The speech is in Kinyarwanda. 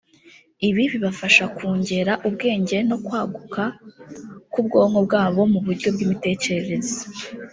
ibi bibafasha kungera ubwenge no kwaguka kw’ubwonko bwabo mu buryo bw’imitekerereze